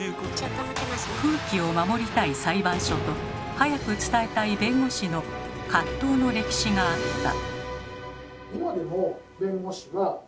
風紀を守りたい裁判所と早く伝えたい弁護士の葛藤の歴史があった。